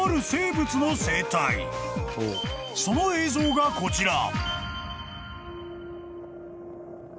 ［その映像がこちら］